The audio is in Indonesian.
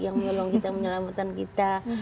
yang menyelamatkan kita